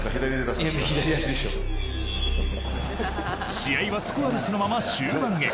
試合はスコアレスのまま終盤へ。